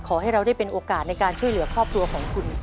ขอให้เราได้เป็นโอกาสในการช่วยเหลือครอบครัวของคุณ